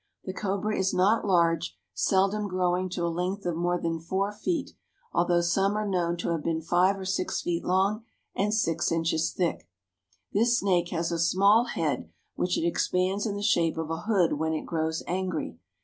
The cobra is not large, seldom growing to a length of more than four feet, although some are known to have been five or six feet long and six inches thick. This snake has a small head which it expands in the shape of a hood when it grows angry.